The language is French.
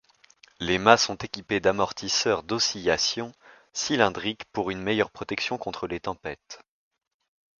Les mâts sont équipés d'amortisseurs d'oscillation cylindriques pour une meilleure protection contre les tempêtes.